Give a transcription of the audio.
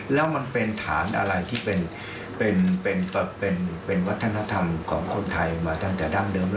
แล้วมันเป็นฐานอะไรที่เป็นวัฒนธรรมของคนไทยมาตั้งแต่ดั้งเดิม